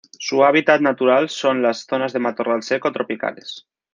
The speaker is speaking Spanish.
Su hábitat natural son las zonas de matorral seco tropicales.